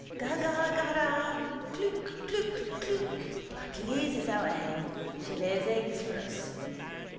Ga Ga Gara. Klook Klook Klook. Black Liz is our hen. She lays eggs for us.